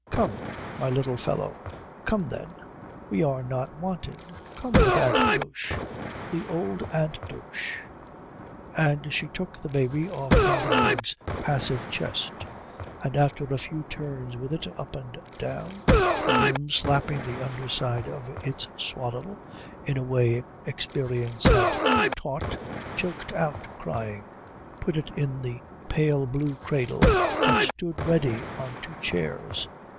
Come, my little fellow come, then we are not wanted come with Aunt Dosch the old Aunt Dosch " And she took the baby off Ingeborg's passive chest, and after a few turns with it up and down the room slapping the underside of its swaddle in a way experience had taught choked out crying, put it in the pale blue cradle that stood ready on two chairs.